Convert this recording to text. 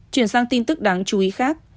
chuyển sang tin tức đáng chú ý khác